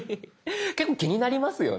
結構気になりますよね。